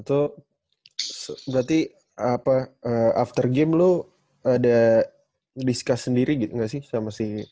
itu berarti after game lo ada discuss sendiri gitu nggak sih sama si